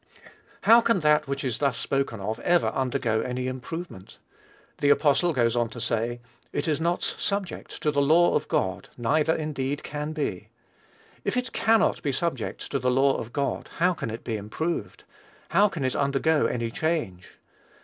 How can that which is thus spoken of ever undergo any improvement? The apostle goes on to say, "it is not subject to the law of God, neither indeed can be." If it cannot be subject to the law of God, how can it be improved? How can it undergo any change?